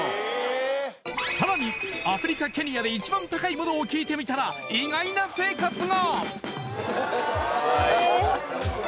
さらにアフリカケニアで一番高いモノを聞いてみたら意外な生活が！